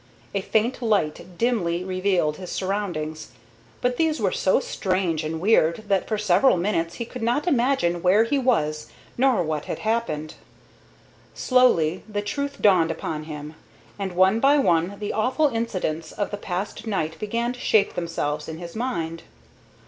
A faint light dimly revealed his surroundings; but these were so strange and weird that for several minutes he could not imagine where he was nor what had happened. Slowly the truth dawned upon him, and one by one the awful incidents of the past night began to shape themselves in his mind.